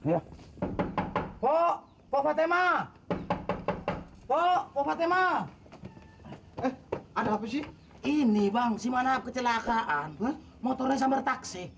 ya oh fathima oh fathima eh ada apa sih ini bangsi mana kecelakaan motornya sambil taksi